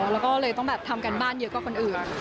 แล้วก็เลยต้องแบบทำการบ้านเยอะกว่าคนอื่น